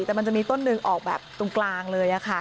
แต่มันจะมีต้นหนึ่งออกแบบตรงกลางเลยค่ะ